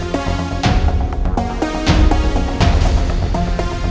kayak ada orang